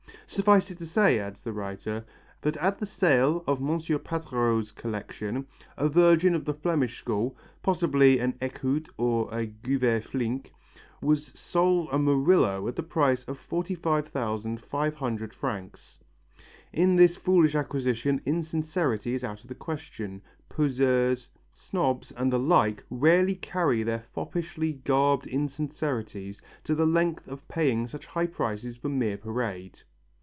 "Suffice it to say," adds the writer, "that at the sale of M. Patureau's collection, a Virgin of the Flemish school, possibly a Eckhout or Govært Flinck, was sold for a Murillo at the price of 45,500 francs." In this foolish acquisition insincerity is out of the question, poseurs, snobs and the like rarely carry their foppishly garbed insincerity to the length of paying such high prices for mere parade.